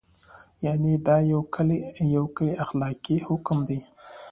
یعنې دا یو کلی اخلاقي حکم دی.